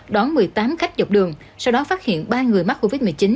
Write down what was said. đón một mươi tám khách dọc đường sau đó phát hiện ba người mắc covid một mươi chín